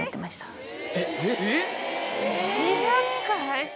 ２００回。